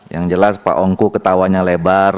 yang jelas pak ongko ketawanya lebar